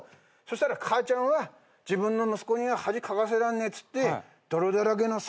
したら母ちゃんは自分の息子には恥かかせらんねえっつって泥だらけの３，０００円